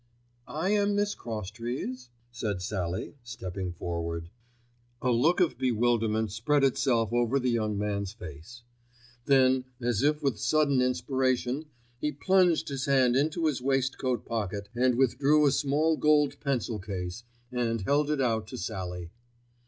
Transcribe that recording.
"I am Miss Crosstrees," said Sallie stepping forward. A look of bewilderment spread itself over the young man's face. Then, as if with sudden inspiration, he plunged his hand into his waistcoat pocket and withdrew a small gold pencil case and held it out to Sallie.